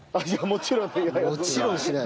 「もちろんしない」。